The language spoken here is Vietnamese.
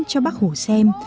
cho bác hồ xem